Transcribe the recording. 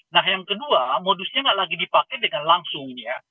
nah yang kedua modusnya nggak lagi dipakai dengan langsung ya